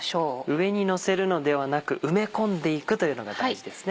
上にのせるのではなく埋め込んでいくというのが大事ですね。